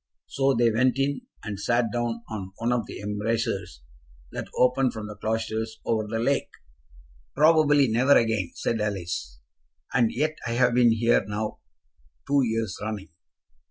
So they went in, and sat down on one of the embrasures that open from the cloisters over the lake. "Probably never again," said Alice. "And yet I have been here now two years running."